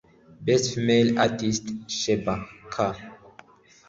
Best Female artist – Sheebah K